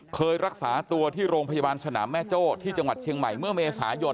เคยรักษาตัวที่โรงพยาบาลสนามแม่โจ้ที่จังหวัดเชียงใหม่เมื่อเมษายน